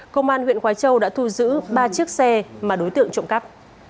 công an huyện khói châu đã thu giữ ba chiếc xe mà đối tượng trộm cắp